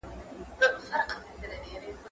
د کتابتون د کار مرسته د مور له خوا کيږي،